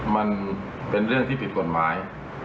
มันเป็นเรื่องที่ผิดกฎหมาย